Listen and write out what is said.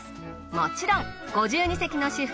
もちろん「５２席の至福」